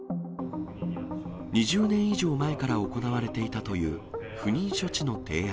２０年以上前から行われていたという不妊処置の提案。